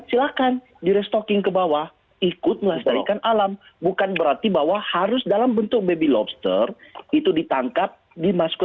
ini bukan ranah korupsi kok